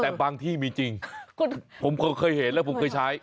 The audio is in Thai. แต่บางที่มีจริงผมเคยเห็นแล้วผมเคยใช้